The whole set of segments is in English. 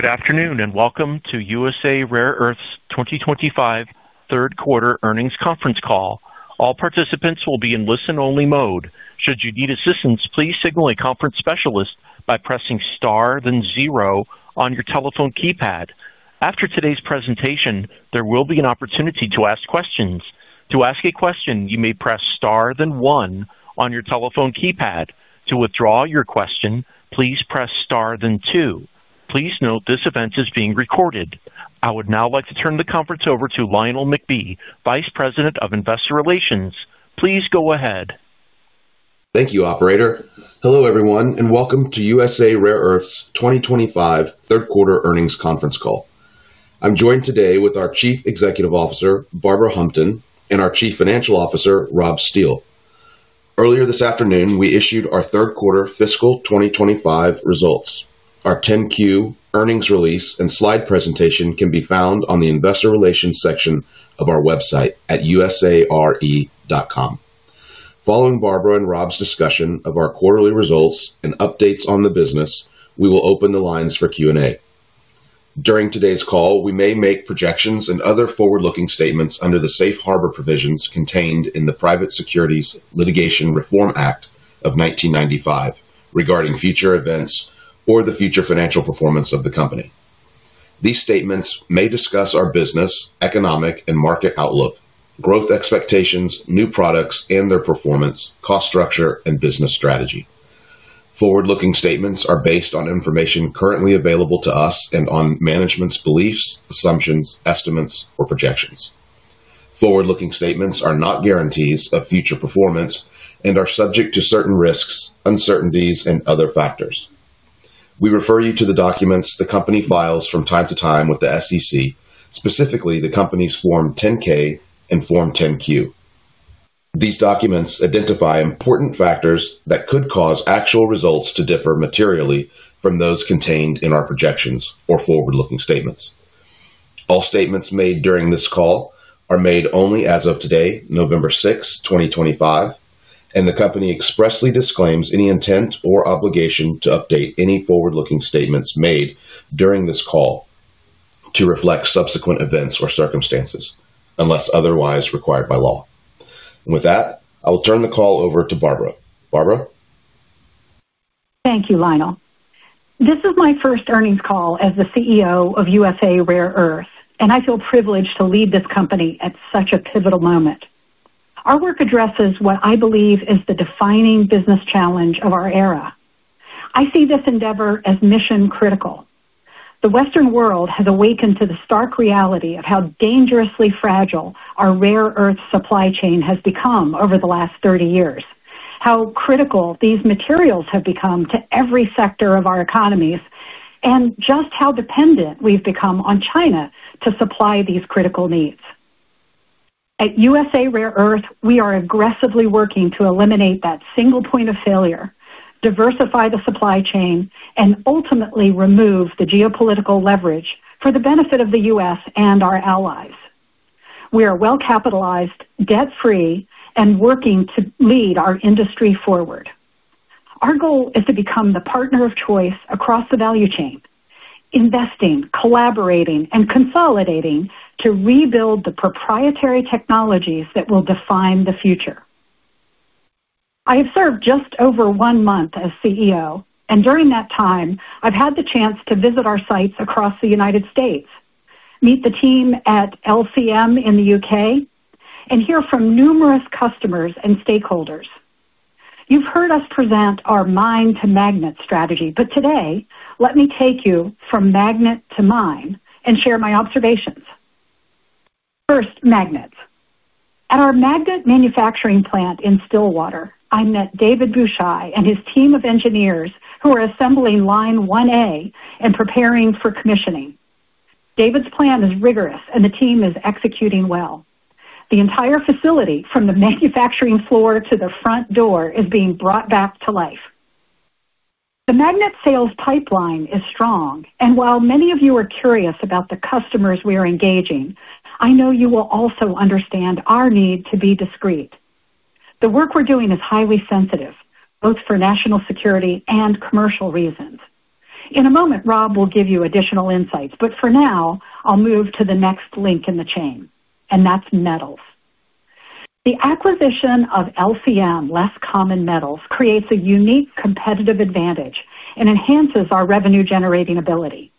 Good afternoon and welcome to USA Rare Earth's 2025 third quarter earnings conference call. All participants will be in listen-only mode. Should you need assistance, please signal a conference specialist by pressing star then zero on your telephone keypad. After today's presentation, there will be an opportunity to ask questions. To ask a question, you may press star then one on your telephone keypad. To withdraw your question, please press star then two. Please note this event is being recorded. I would now like to turn the conference over to Lionel McBee, Vice President of Investor Relations. Please go ahead. Thank you, Operator. Hello everyone and welcome to USA Rare Earth's 2025 third quarter earnings conference call. I'm joined today with our Chief Executive Officer, Barbara Humpton, and our Chief Financial Officer, Rob Steele. Earlier this afternoon, we issued our third quarter fiscal 2025 results. Our 10-Q earnings release and slide presentation can be found on the Investor Relations section of our website at usare.com. Following Barbara and Rob's discussion of our quarterly results and updates on the business, we will open the lines for Q&A. During today's call, we may make projections and other forward-looking statements under the Safe Harbor provisions contained in the Private Securities Litigation Reform Act of 1995 regarding future events or the future financial performance of the company. These statements may discuss our business, economic, and market outlook, growth expectations, new products, and their performance, cost structure, and business strategy. Forward-looking statements are based on information currently available to us and on management's beliefs, assumptions, estimates, or projections. Forward-looking statements are not guarantees of future performance and are subject to certain risks, uncertainties, and other factors. We refer you to the documents the company files from time to time with the SEC, specifically the companies Form 10-K and Form 10-Q. These documents identify important factors that could cause actual results to differ materially from those contained in our projections or forward-looking statements. All statements made during this call are made only as of today, November 6, 2025, and the company expressly disclaims any intent or obligation to update any forward-looking statements made during this call. To reflect subsequent events or circumstances, unless otherwise required by law. With that, I will turn the call over to Barbara. Barbara. Thank you, Lionel. This is my first earnings call as the CEO of USA Rare Earths, and I feel privileged to lead this company at such a pivotal moment. Our work addresses what I believe is the defining business challenge of our era. I see this endeavor as mission-critical. The Western world has awakened to the stark reality of how dangerously fragile our rare earth supply chain has become over the last 30 years, how critical these materials have become to every sector of our economies, and just how dependent we've become on China to supply these critical needs. At USA Rare Earth, we are aggressively working to eliminate that single point of failure, diversify the supply chain, and ultimately remove the geopolitical leverage for the benefit of the US and our allies. We are well-capitalized, debt-free, and working to lead our industry forward. Our goal is to become the partner of choice across the value chain, investing, collaborating, and consolidating to rebuild the proprietary technologies that will define the future. I have served just over one month as CEO, and during that time, I've had the chance to visit our sites across the United States, meet the team at LCM in the U.K., and hear from numerous customers and stakeholders. You've heard us present our mine-to-magnet strategy, but today, let me take you from magnet to mine and share my observations. First, magnets. At our magnet manufacturing plant in Stillwater, I met David Bouchard and his team of engineers who are assembling line 1A and preparing for commissioning. David's plan is rigorous, and the team is executing well. The entire facility, from the manufacturing floor to the front door, is being brought back to life. The magnet sales pipeline is strong, and while many of you are curious about the customers we are engaging, I know you will also understand our need to be discreet. The work we're doing is highly sensitive, both for national security and commercial reasons. In a moment, Rob will give you additional insights, but for now, I'll move to the next link in the chain, and that's metals. The acquisition of LCM Less Common Metals creates a unique competitive advantage and enhances our revenue-generating ability.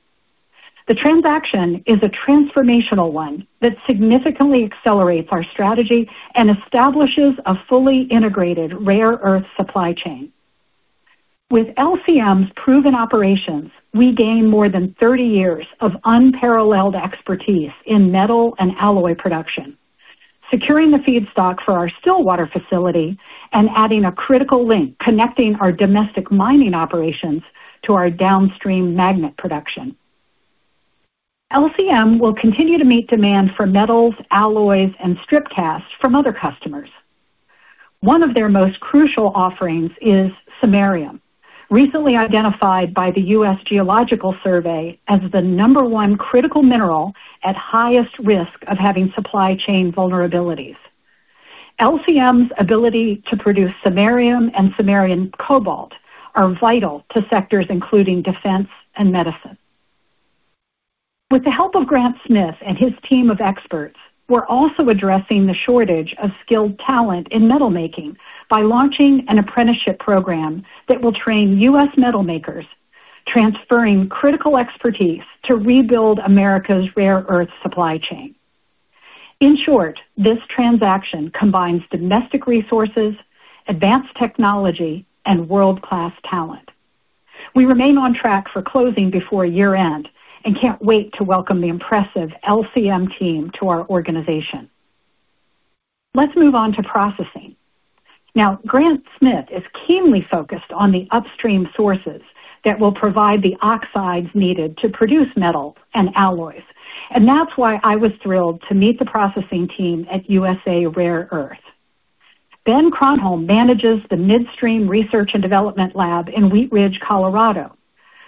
The transaction is a transformational one that significantly accelerates our strategy and establishes a fully integrated rare earth supply chain. With LCM's proven operations, we gain more than 30 years of unparalleled expertise in metal and alloy production, securing the feedstock for our Stillwater facility and adding a critical link connecting our domestic mining operations to our downstream magnet production. LCM will continue to meet demand for metals, alloys, and strip casts from other customers. One of their most crucial offerings is samarium, recently identified by the US Geological Survey as the number one critical mineral at highest risk of having supply chain vulnerabilities. LCM's ability to produce samarium and samarium cobalt are vital to sectors including defense and medicine. With the help of Grant Smith and his team of experts, we're also addressing the shortage of skilled talent in metal making by launching an apprenticeship program that will train US metal makers, transferring critical expertise to rebuild America's rare earth supply chain. In short, this transaction combines domestic resources, advanced technology, and world-class talent. We remain on track for closing before year-end and can't wait to welcome the impressive LCM team to our organization. Let's move on to processing. Now, Grant Smith is keenly focused on the upstream sources that will provide the oxides needed to produce metals and alloys, and that's why I was thrilled to meet the processing team at USA Rare Earth. Ben Cronholm manages the midstream research and development lab in Wheat Ridge, Colorado,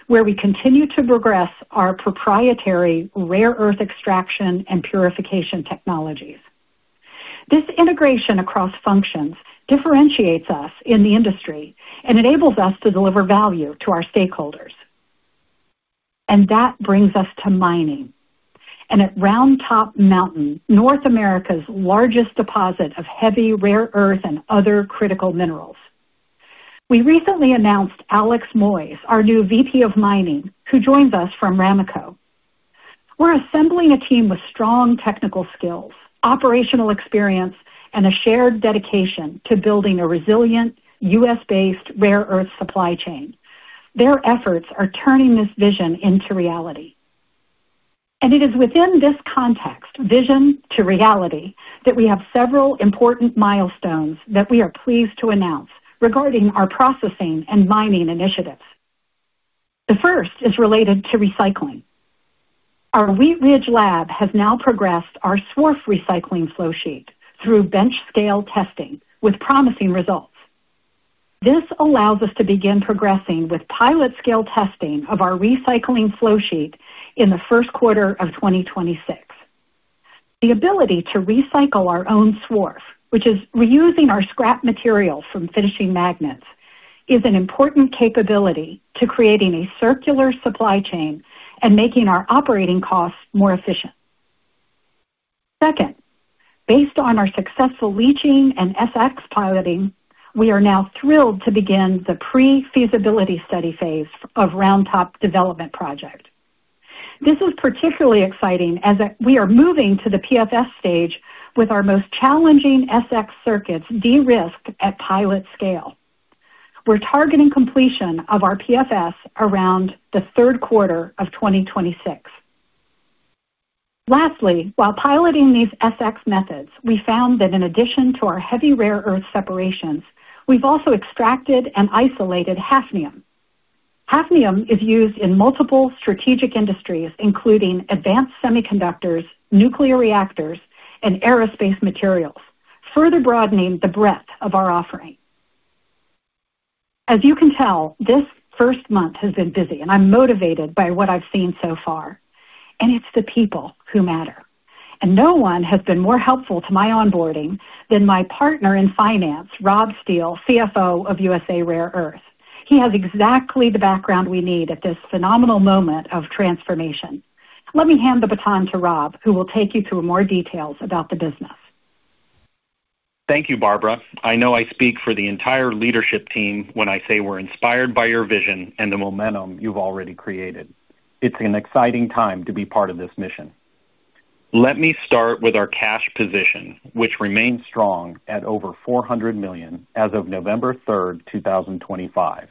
where we continue to progress our proprietary rare earth extraction and purification technologies. This integration across functions differentiates us in the industry and enables us to deliver value to our stakeholders. And that brings us to mining and at Round Top Mountain, North America's largest deposit of heavy rare earth and other critical minerals. We recently announced Alex Moyes, our new VP of Mining, who joins us from Rameco. We're assembling a team with strong technical skills, operational experience, and a shared dedication to building a resilient US-based rare earth supply chain. Their efforts are turning this vision into reality. And it is within this context, vision to reality, that we have several important milestones that we are pleased to announce regarding our processing and mining initiatives. The first is related to recycling. Our Wheat Ridge lab has now progressed our swerf recycling flow sheet through bench-scale testing with promising results. This allows us to begin progressing with pilot-scale testing of our recycling flow sheet in the first quarter of 2026. The ability to recycle our own swerf, which is reusing our scrap materials from finishing magnets, is an important capability to creating a circular supply chain and making our operating costs more efficient. Second, based on our successful leaching and SX piloting, we are now thrilled to begin the pre-feasibility study phase of Round Top development project. This is particularly exciting as we are moving to the PFS stage with our most challenging SX circuits de-risked at pilot scale. We're targeting completion of our PFS around the third quarter of 2026. Lastly, while piloting these SX methods, we found that in addition to our heavy rare earth separations, we've also extracted and isolated hafnium. Hafnium is used in multiple strategic industries, including advanced semiconductors, nuclear reactors, and aerospace materials, further broadening the breadth of our offering. As you can tell, this first month has been busy, and I'm motivated by what I've seen so far. And it's the people who matter. And no one has been more helpful to my onboarding than my partner in finance, Rob Steele, CFO of USA Rare Earth. He has exactly the background we need at this phenomenal moment of transformation. Let me hand the baton to Rob, who will take you through more details about the business. Thank you, Barbara. I know I speak for the entire leadership team when I say we're inspired by your vision and the momentum you've already created. It's an exciting time to be part of this mission. Let me start with our cash position, which remains strong at over $400 million as of November 3, 2025.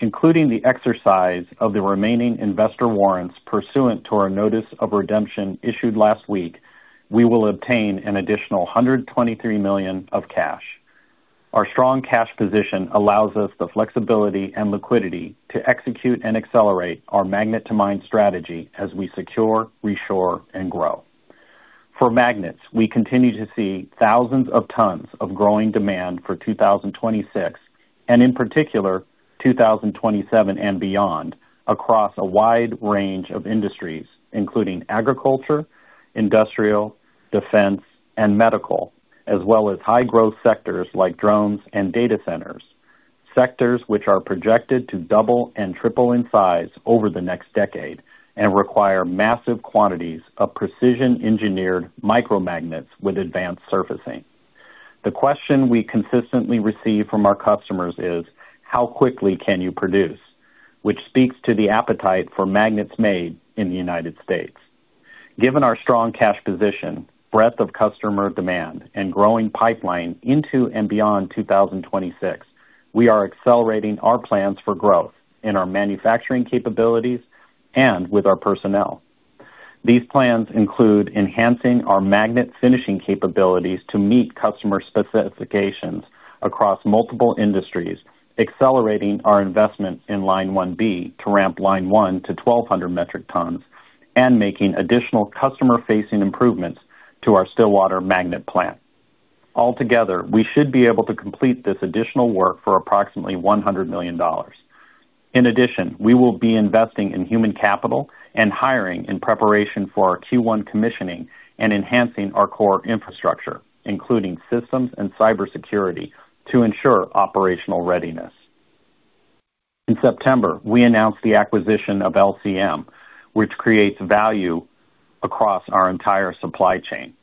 Including the exercise of the remaining investor warrants pursuant to our notice of redemption issued last week, we will obtain an additional $123 million of cash. Our strong cash position allows us the flexibility and liquidity to execute and accelerate our magnet-to-mine strategy as we secure, reshore, and grow. For magnets, we continue to see thousands of tons of growing demand for 2026, and in particular. 2027 and beyond, across a wide range of industries, including agriculture, industrial, defense, and medical, as well as high-growth sectors like drones and data centers, sectors which are projected to double and triple in size over the next decade and require massive quantities of precision-engineered micromagnets with advanced surfacing. The question we consistently receive from our customers is, "How quickly can you produce?" which speaks to the appetite for magnets made in the United States. Given our strong cash position, breadth of customer demand, and growing pipeline into and beyond 2026, we are accelerating our plans for growth in our manufacturing capabilities and with our personnel. These plans include enhancing our magnet finishing capabilities to meet customer specifications across multiple industries, accelerating our investment in line 1B to ramp line 1 to 1,200 metric tons, and making additional customer-facing improvements to our Stillwater magnet plant. Altogether, we should be able to complete this additional work for approximately $100 million. In addition, we will be investing in human capital and hiring in preparation for our Q1 commissioning and enhancing our core infrastructure, including systems and cybersecurity, to ensure operational readiness. In September, we announced the acquisition of LCM, which creates value across our entire supply chain.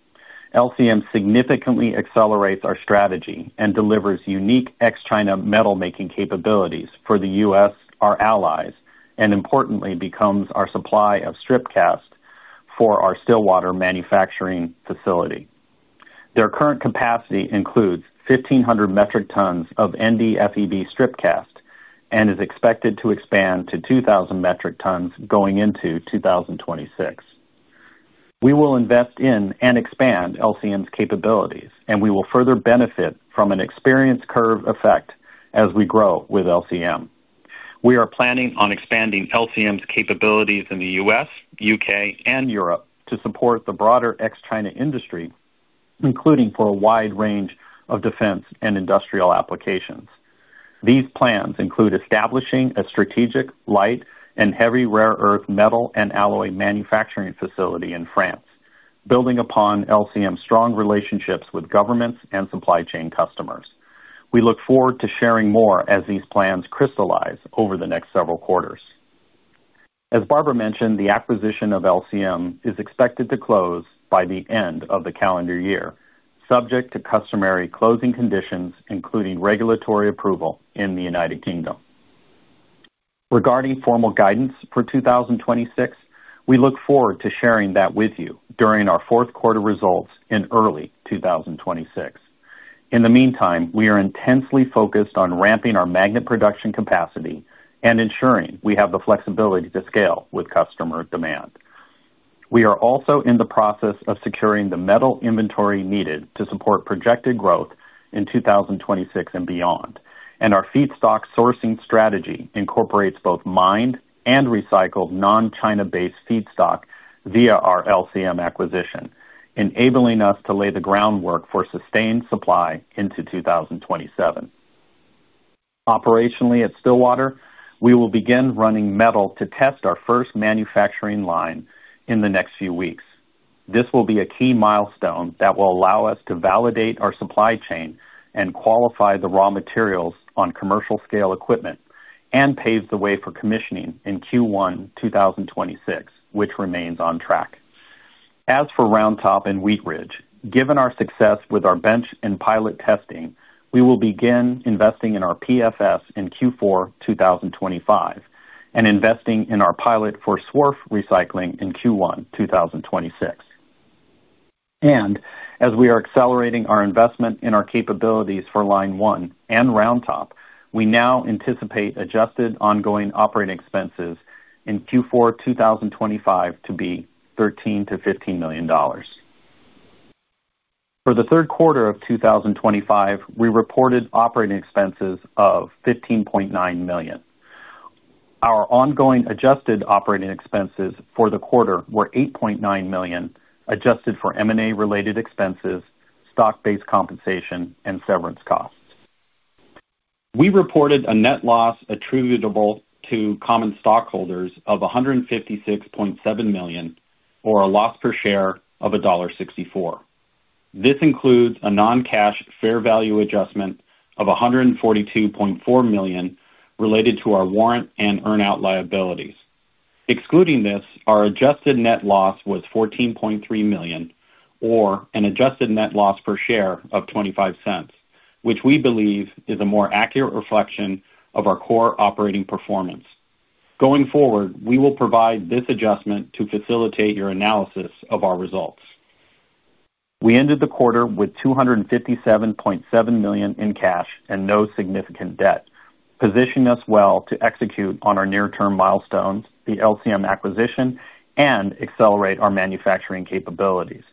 LCM significantly accelerates our strategy and delivers unique ex-China metal making capabilities for the US, our allies, and importantly, becomes our supply of strip cast for our Stillwater manufacturing facility. Their current capacity includes 1,500 metric tons of NDFEB strip cast and is expected to expand to 2,000 metric tons going into 2026. We will invest in and expand LCM's capabilities, and we will further benefit from an experience curve effect as we grow with LCM. We are planning on expanding LCM's capabilities in the US, UK, and Europe to support the broader ex-China industry, including for a wide range of defense and industrial applications. These plans include establishing a strategic light and heavy rare earth metal and alloy manufacturing facility in France, building upon LCM's strong relationships with governments and supply chain customers. We look forward to sharing more as these plans crystallize over the next several quarters. As Barbara mentioned, the acquisition of LCM is expected to close by the end of the calendar year, subject to customary closing conditions, including regulatory approval in the United Kingdom. Regarding formal guidance for 2026, we look forward to sharing that with you during our fourth quarter results in early 2026. In the meantime, we are intensely focused on ramping our magnet production capacity and ensuring we have the flexibility to scale with customer demand. We are also in the process of securing the metal inventory needed to support projected growth in 2026 and beyond, and our feedstock sourcing strategy incorporates both mined and recycled non-China-based feedstock via our LCM acquisition, enabling us to lay the groundwork for sustained supply into 2027. Operationally at Stillwater, we will begin running metal to test our first manufacturing line in the next few weeks. This will be a key milestone that will allow us to validate our supply chain and qualify the raw materials on commercial-scale equipment and pave the way for commissioning in Q1 2026, which remains on track. As for Round Top and Wheat Ridge, given our success with our bench and pilot testing, we will begin investing in our PFS in Q4 2025 and investing in our pilot for swarf recycling in Q1 2026. And as we are accelerating our investment in our capabilities for line 1 and Round Top, we now anticipate adjusted ongoing operating expenses in Q4 2025 to be $13 to $15 million. For the third quarter of 2025, we reported operating expenses of $15.9 million. Our ongoing adjusted operating expenses for the quarter were $8.9 million, adjusted for M&A-related expenses, stock-based compensation, and severance costs. We reported a net loss attributable to common stockholders of $156.7 million, or a loss per share of $1.64. This includes a non-cash fair value adjustment of $142.4 million related to our warrant and earn-out liabilities. Excluding this, our adjusted net loss was $14.3 million, or an adjusted net loss per share of $0.25, which we believe is a more accurate reflection of our core operating performance. Going forward, we will provide this adjustment to facilitate your analysis of our results. We ended the quarter with $257.7 million in cash and no significant debt, positioning us well to execute on our near-term milestones, the LCM acquisition, and accelerate our manufacturing capabilities.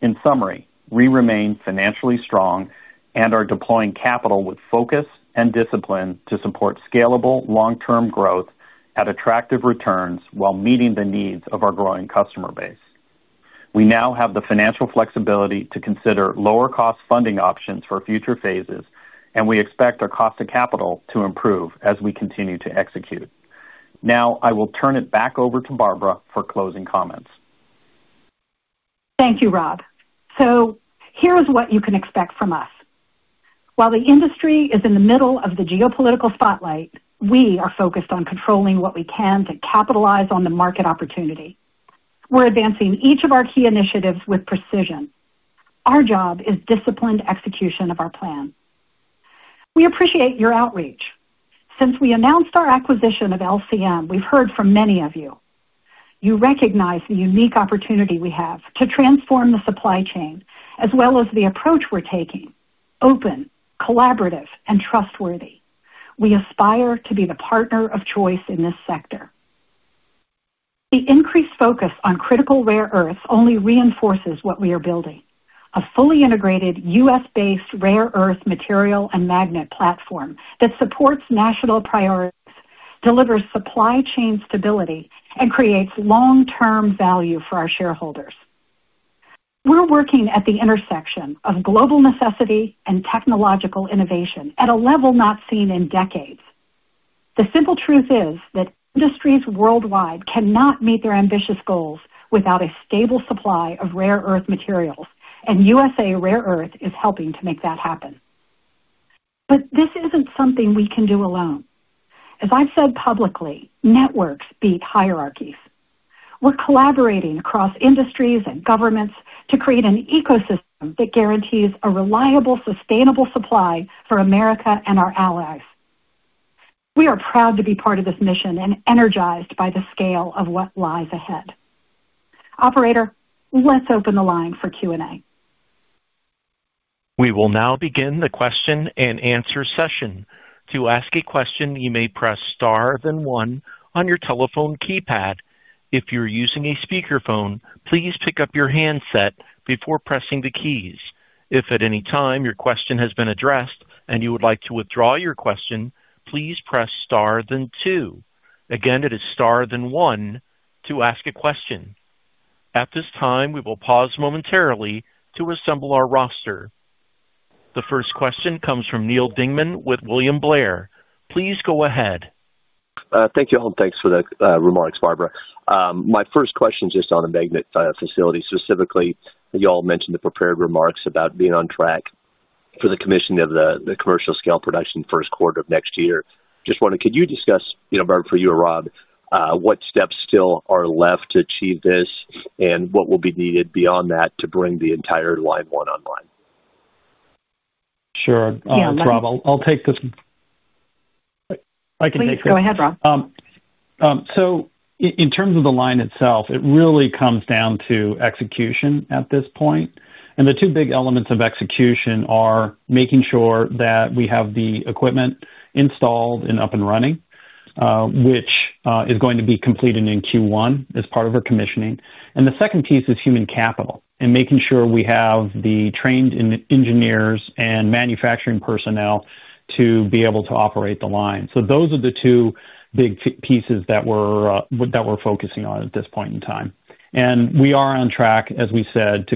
In summary, we remain financially strong and are deploying capital with focus and discipline to support scalable long-term growth at attractive returns while meeting the needs of our growing customer base. We now have the financial flexibility to consider lower-cost funding options for future phases, and we expect our cost of capital to improve as we continue to execute. Now, I will turn it back over to Barbara for closing comments. Thank you, Rob. So here is what you can expect from us. While the industry is in the middle of the geopolitical spotlight, we are focused on controlling what we can to capitalize on the market opportunity. We're advancing each of our key initiatives with precision. Our job is disciplined execution of our plan. We appreciate your outreach. Since we announced our acquisition of LCM, we've heard from many of you. You recognize the unique opportunity we have to transform the supply chain, as well as the approach we're taking: open, collaborative, and trustworthy. We aspire to be the partner of choice in this sector. The increased focus on critical rare earths only reinforces what we are building: a fully integrated US-based rare earth material and magnet platform that supports national priorities, delivers supply chain stability, and creates long-term value for our shareholders. We're working at the intersection of global necessity and technological innovation at a level not seen in decades. The simple truth is that industries worldwide cannot meet their ambitious goals without a stable supply of rare earth materials, and USA Rare Earth is helping to make that happen. But this isn't something we can do alone. As I've said publicly, networks beat hierarchies. We're collaborating across industries and governments to create an ecosystem that guarantees a reliable, sustainable supply for America and our allies. We are proud to be part of this mission and energized by the scale of what lies ahead. Operator, let's open the line for Q&A. We will now begin the question and answer session. To ask a question, you may press star then one on your telephone keypad. If you're using a speakerphone, please pick up your handset before pressing the keys. If at any time your question has been addressed and you would like to withdraw your question, please press star then two. Again, it is star then one to ask a question. At this time, we will pause momentarily to assemble our roster. The first question comes from Neal Dingman with William Blair. Please go ahead. Thank you all for the remarks, Barbara. My first question is just on the magnet facility. Specifically, y'all mentioned the prepared remarks about being on track for the commissioning of the commercial-scale production first quarter of next year. Just wondering, could you discuss, Barbara, for you or Rob, what steps still are left to achieve this and what will be needed beyond that to bring the entire line one online? Sure. Yeah, let me. I'll take this. I can take this. Please go ahead, Rob. So in terms of the line itself, it really comes down to execution at this point. And the two big elements of execution are making sure that we have the equipment installed and up and running, which is going to be completed in Q1 as part of our commissioning. And the second piece is human capital and making sure we have the trained engineers and manufacturing personnel to be able to operate the line. So those are the two big pieces that we're focusing on at this point in time. And we are on track, as we said, to.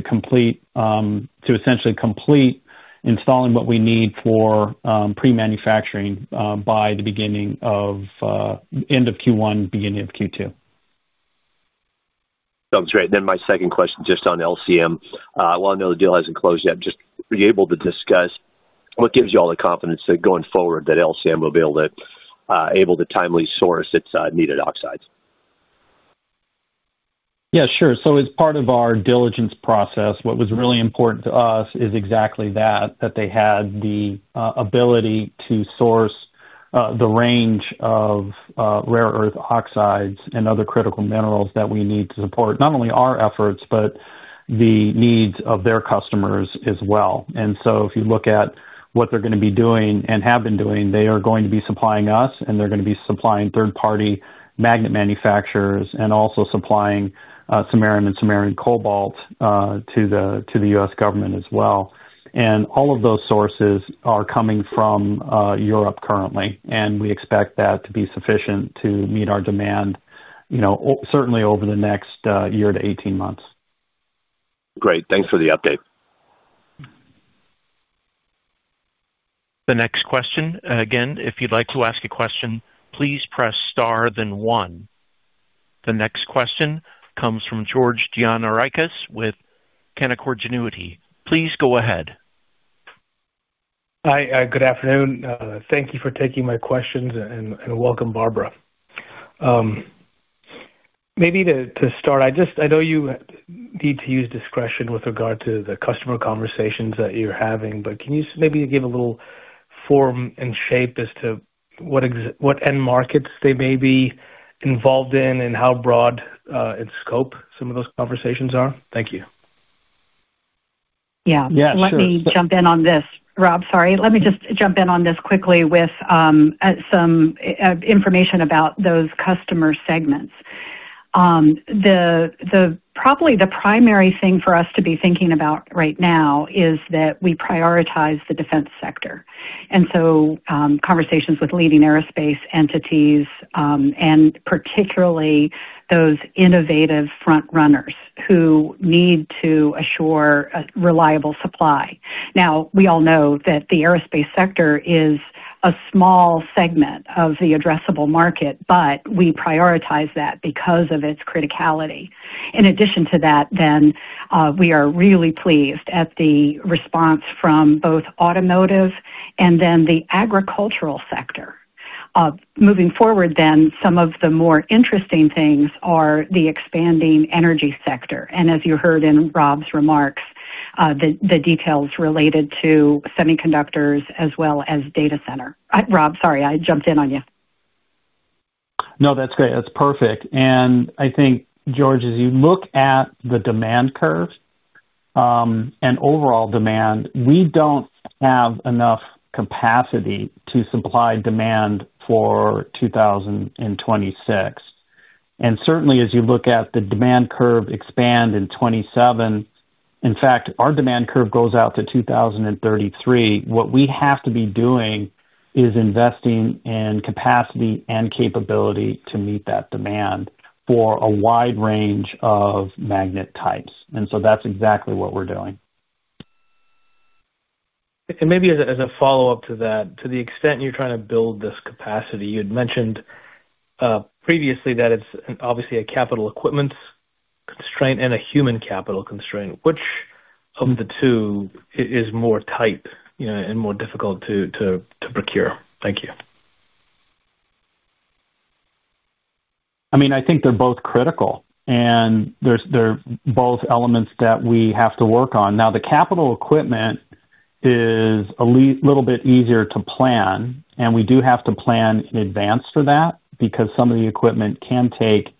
Essentially complete installing what we need for. Pre-manufacturing by the end of Q1, beginning of Q2. Sounds great. Then my second question just on LCM, while I know the deal hasn't closed yet, just are you able to discuss what gives you all the confidence that going forward that LCM will be able to timely source its needed oxides? Yeah, sure. So as part of our diligence process, what was really important to us is exactly that, that they had the ability to source the range of. Rare earth oxides and other critical minerals that we need to support not only our efforts, but the needs of their customers as well. And so if you look at what they're going to be doing and have been doing, they are going to be supplying us, and they're going to be supplying third-party magnet manufacturers and also supplying samaritan samaritan cobalt to the US government as well. And all of those sources are coming from. Europe currently, and we expect that to be sufficient to meet our demand. Certainly over the next year to 18 months. Great. Thanks for the update. The next question, again, if you'd like to ask a question, please press star then one. The next question comes from George Gianarikas with Canaccord Genuity. Please go ahead. Hi, good afternoon. Thank you for taking my questions and welcome, Barbara. Maybe to start, I know you need to use discretion with regard to the customer conversations that you're having, but can you maybe give a little form and shape as to what end markets they may be involved in and how broad in scope some of those conversations are? Thank you. Yeah. Yeah, sure. Let me jump in on this. Rob, sorry. Let me just jump in on this quickly with. Some information about those customer segments. Probably the primary thing for us to be thinking about right now is that we prioritize the defense sector. And so conversations with leading aerospace entities and particularly those innovative front runners who need to assure a reliable supply. Now, we all know that the aerospace sector is a small segment of the addressable market, but we prioritize that because of its criticality. In addition to that, then we are really pleased at the response from both automotive and then the agricultural sector. Moving forward then, some of the more interesting things are the expanding energy sector. And as you heard in Rob's remarks. The details related to semiconductors as well as data center. Rob, sorry, I jumped in on you. No, that's great. That's perfect. And I think, George, as you look at the demand curve. And overall demand, we don't have enough capacity to supply demand for 2026. And certainly, as you look at the demand curve expand in '27, in fact, our demand curve goes out to 2033. What we have to be doing is investing in capacity and capability to meet that demand for a wide range of magnet types. And so that's exactly what we're doing. And maybe as a follow-up to that, to the extent you're trying to build this capacity, you had mentioned. Previously that it's obviously a capital equipment. Constraint and a human capital constraint. Which of the two is more tight and more difficult to procure? Thank you. I mean, I think they're both critical, and they're both elements that we have to work on. Now, the capital equipment. Is a little bit easier to plan, and we do have to plan in advance for that because some of the equipment can take.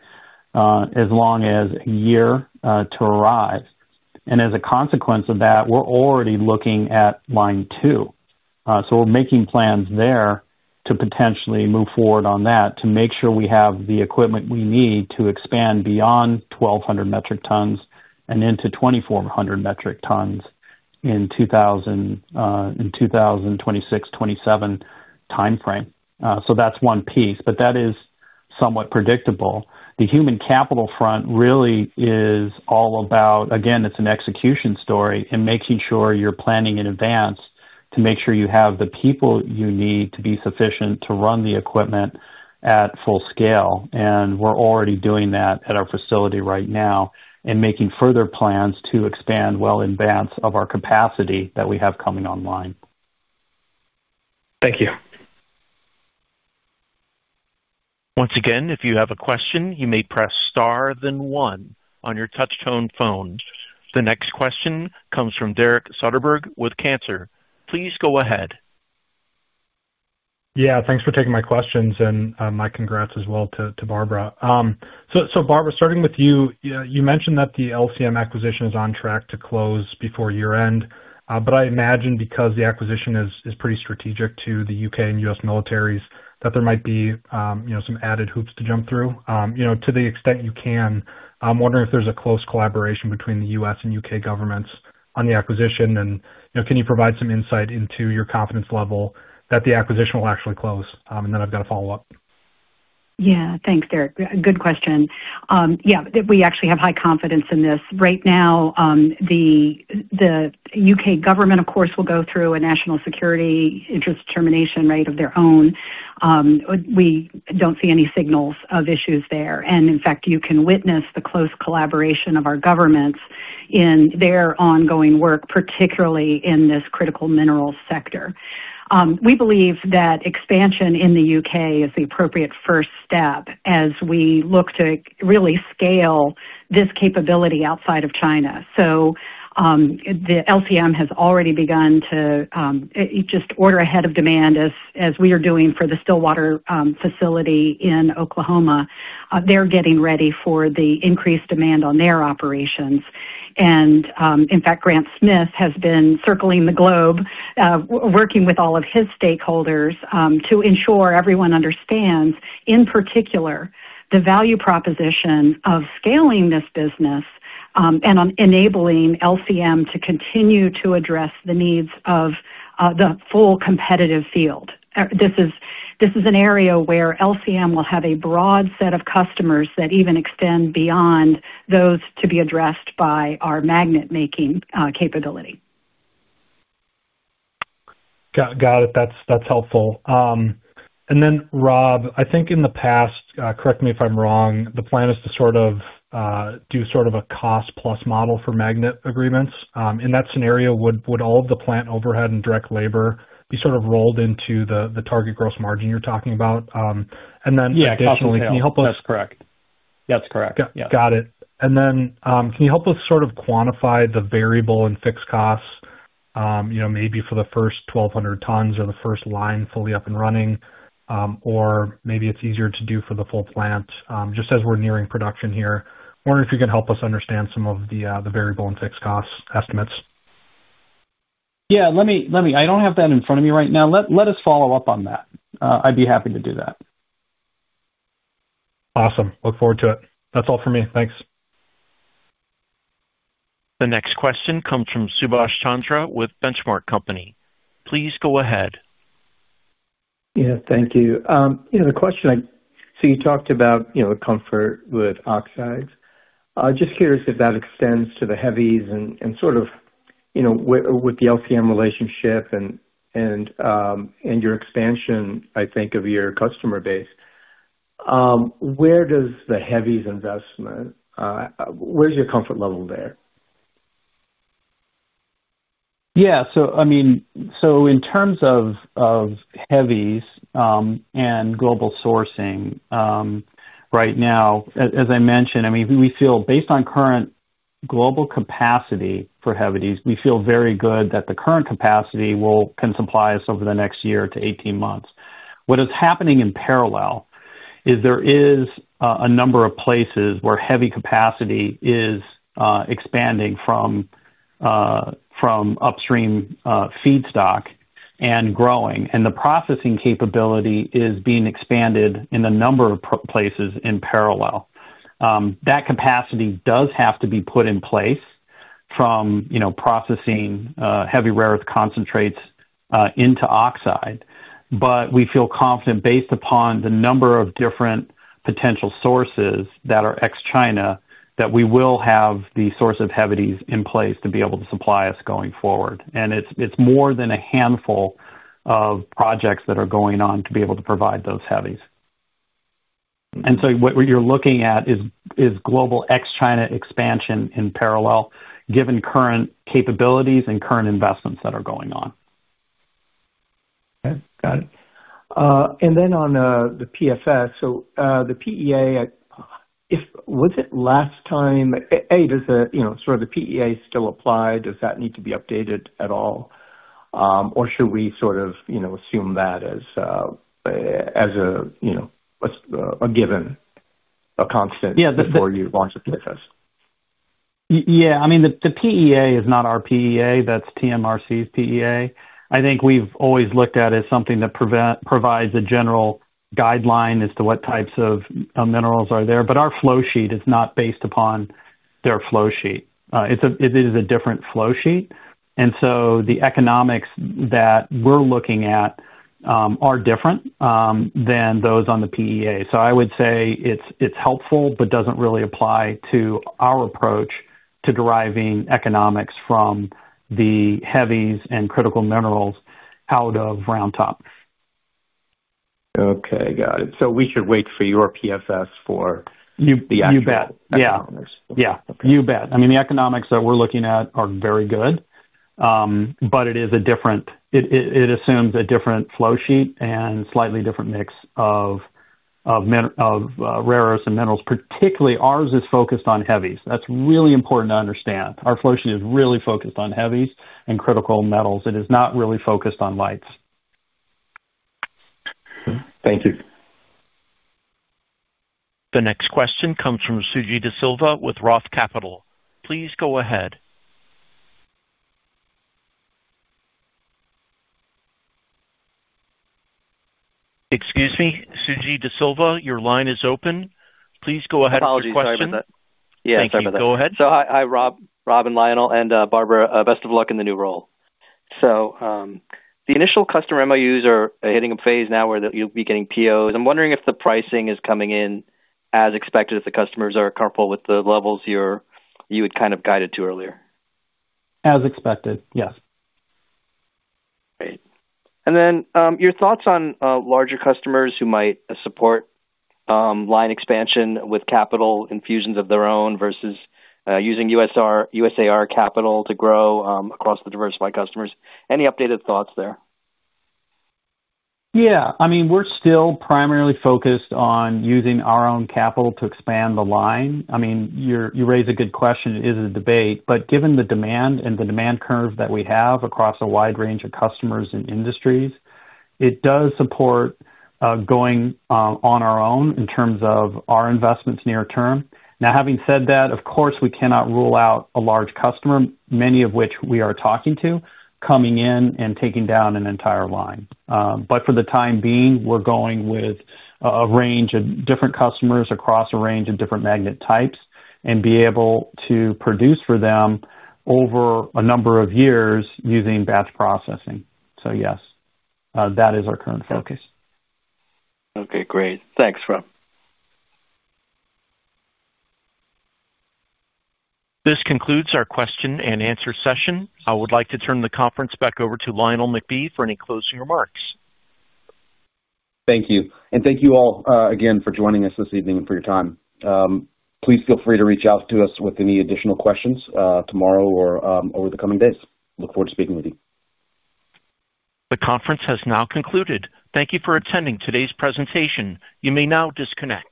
As long as a year to arrive. And as a consequence of that, we're already looking at line two. So we're making plans there to potentially move forward on that to make sure we have the equipment we need to expand beyond 1,200 metric tons and into 2,400 metric tons in. 2026, '27 timeframe. So that's one piece, but that is somewhat predictable. The human capital front really is all about, again, it's an execution story and making sure you're planning in advance to make sure you have the people you need to be sufficient to run the equipment at full scale. And we're already doing that at our facility right now and making further plans to expand well in advance of our capacity that we have coming online. Thank you. Once again, if you have a question, you may press star then one on your touch-tone phone. The next question comes from Derek Soderberg with Cantor. Please go ahead. Yeah, thanks for taking my questions, and my congrats as well to Barbara. So Barbara, starting with you, you mentioned that the LCM acquisition is on track to close before year-end, but I imagine because the acquisition is pretty strategic to the UK and US militaries that there might be some added hoops to jump through. To the extent you can, I'm wondering if there's a close collaboration between the US and UK governments on the acquisition, and can you provide some insight into your confidence level that the acquisition will actually close? And then I've got a follow-up. Yeah, thanks, Derek. Good question. Yeah, we actually have high confidence in this. Right now. The. UK government, of course, will go through a national security interest determination rate of their own. We don't see any signals of issues there. And in fact, you can witness the close collaboration of our governments in their ongoing work, particularly in this critical mineral sector. We believe that expansion in the UK is the appropriate first step as we look to really scale this capability outside of China. So. The LCM has already begun to. Just order ahead of demand, as we are doing for the Stillwater facility in Oklahoma. They're getting ready for the increased demand on their operations. And in fact, Grant Smith has been circling the globe, working with all of his stakeholders to ensure everyone understands, in particular. The value proposition of scaling this business. And enabling LCM to continue to address the needs of the full competitive field. This is an area where LCM will have a broad set of customers that even extend beyond those to be addressed by our magnet-making capability. Got it. That's helpful. And then, Rob, I think in the past, correct me if I'm wrong, the plan is to sort of. Do sort of a cost-plus model for magnet agreements. In that scenario, would all of the plant overhead and direct labor be sort of rolled into the target gross margin you're talking about? And then additionally, can you help us? Yeah, that's correct. That's correct. Got it. And then can you help us sort of quantify the variable and fixed costs. Maybe for the first 1,200 tons or the first line fully up and running? Or maybe it's easier to do for the full plant just as we're nearing production here. I wonder if you can help us understand some of the variable and fixed cost estimates. Yeah, let me—I don't have that in front of me right now. Let us follow up on that. I'd be happy to do that. Awesome. Look forward to it. That's all for me. Thanks. The next question comes from Subash Chandra with Benchmark Company. Please go ahead. Yeah, thank you. The question I—so you talked about the comfort with oxides. Just curious if that extends to the heavies and sort of. With the LCM relationship and. Your expansion, I think, of your customer base. Where does the heavies investment— Where's your comfort level there? Yeah, so I mean, so in terms of. Heavies and global sourcing. Right now, as I mentioned, I mean, we feel, based on current global capacity for heavies, we feel very good that the current capacity can supply us over the next year to 18 months. What is happening in parallel is there is a number of places where heavy capacity is expanding from. Upstream feedstock and growing, and the processing capability is being expanded in a number of places in parallel. That capacity does have to be put in place from processing heavy rare earth concentrates into oxide, but we feel confident based upon the number of different potential sources that are ex-China that we will have the source of heavies in place to be able to supply us going forward. And it's more than a handful of projects that are going on to be able to provide those heavies. And so what you're looking at is global ex-China expansion in parallel, given current capabilities and current investments that are going on. Okay, got it. And then on the PFS, so the PEA. Was it last time? Hey, does the sort of the PEA still apply? Does that need to be updated at all? Or should we sort of assume that as. A given, a constant before you launch a PFS? Yeah, I mean, the PEA is not our PEA. That's TMRC's PEA. I think we've always looked at it as something that provides a general guideline as to what types of minerals are there. But our flow sheet is not based upon their flow sheet. It is a different flow sheet. And so the economics that we're looking at. Are different. Than those on the PEA. So I would say it's helpful, but doesn't really apply to our approach to deriving economics from the heavies and critical minerals out of Round Top. Okay, got it. So we should wait for your PFS for the actual economics. You bet. Yeah. You bet. I mean, the economics that we're looking at are very good. But it is a different—it assumes a different flow sheet and slightly different mix of. Rare earths and minerals. Particularly, ours is focused on heavies. That's really important to understand. Our flow sheet is really focused on heavies and critical metals. It is not really focused on lights. Thank you. The next question comes from Suji Desilva with Roth Capital. Please go ahead. Excuse me. Suji Desilva, your line is open. Please go ahead with your question. Apologies. Yeah, go ahead. So hi, Rob, Robin Lionel, and Barbara, best of luck in the new role. So the initial customer MOUs are hitting a phase now where you'll be getting POs. I'm wondering if the pricing is coming in as expected if the customers are comfortable with the levels you had kind of guided to earlier. As expected, yes. Great. And then your thoughts on larger customers who might support. Line expansion with capital infusions of their own versus using USAR capital to grow across the diversified customers? Any updated thoughts there? Yeah. I mean, we're still primarily focused on using our own capital to expand the line. I mean, you raise a good question. It is a debate. But given the demand and the demand curve that we have across a wide range of customers and industries, it does support. Going on our own in terms of our investments near term. Now, having said that, of course, we cannot rule out a large customer, many of which we are talking to, coming in and taking down an entire line. But for the time being, we're going with. A range of different customers across a range of different magnet types and be able to produce for them over a number of years using batch processing. So yes, that is our current focus. Okay, great. Thanks, Rob. This concludes our question and answer session. I would like to turn the conference back over to Lionel McBee for any closing remarks. Thank you. And thank you all again for joining us this evening and for your time. Please feel free to reach out to us with any additional questions tomorrow or over the coming days. Look forward to speaking with you. The conference has now concluded. Thank you for attending today's presentation. You may now disconnect.